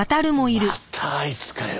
またあいつかよ。